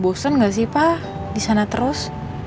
bosan gak sih pak disana terus